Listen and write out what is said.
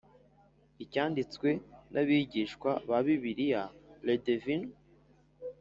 cyanditswe n Abigishwa ba Bibiliya Le divin